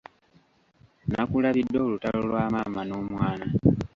Nakulabidde olutalo lwa maama n'omwana.